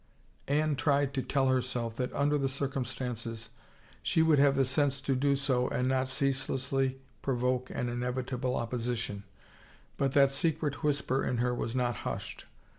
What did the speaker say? Anne tried to tell herself that under the cir cumstances she would have the sense to do so and not ceaselessly provoke an inevitable opposition, but that secret whisper in her was not hushed.